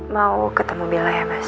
mau ketemu mila ya mas